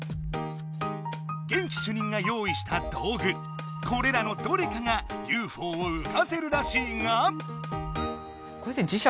元気主任が用意した道具これらのどれかがＵＦＯをうかせるらしいが？